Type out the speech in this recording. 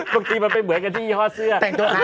มันเป็นเหมือนกันที่ยี่ห้อเสื้อ